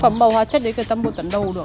phẩm màu hóa chất đấy người ta mua tận đâu được ạ